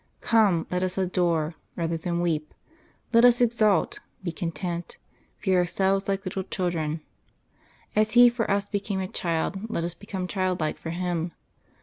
Come, let us adore, rather than weep; let us exult, be content, be ourselves like little children. As He for us became a child, let us become childlike for Him.